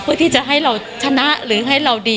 เพื่อที่จะให้เราชนะหรือให้เราดี